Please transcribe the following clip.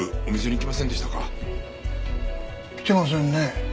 来てませんね。